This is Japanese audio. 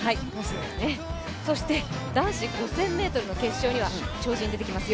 男子５０００ｍの決勝には超人が出てきますよ。